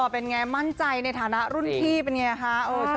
เป็นอย่างไรมั่นใจในฐานะรุ่นที่เป็นอย่างไรค่ะ